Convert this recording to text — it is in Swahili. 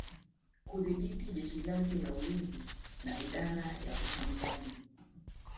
Kudhibiti jeshi lake la ulinzi na Idara ya Uhamiaji